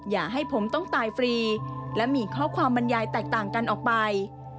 อย่าให้ผมต้องตายฟรีและมีข้อความบรรยายแตกต่างกันออกไป